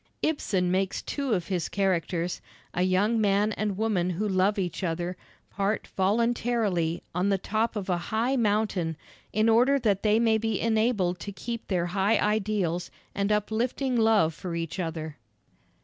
Ibsen makes two of his characters, a young man and woman who love each other, part voluntarily on the top of a high mountain in order that they may be enabled to keep their high ideals and uplifting love for each other.